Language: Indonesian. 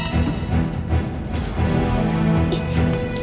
tidak ada siapa di sana